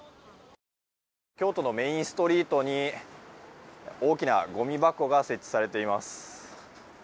京都のメインストリートに大きなごみ箱が設置されています。